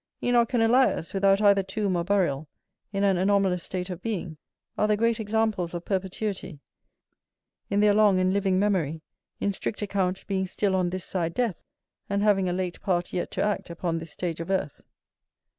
Enoch and Elias, without either tomb or burial, in an anomalous state of being, are the great examples of perpetuity, in their long and living memory, in strict account being still on this side death, and having a late part yet to act upon this stage of earth.